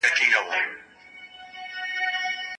صنعتي کېدل نوي فرصتونه رامنځته کوي.